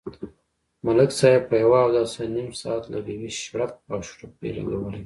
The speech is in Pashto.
ملک صاحب په یوه اوداسه نیم ساعت لگوي، شړپ او شړوپ یې لگولی وي.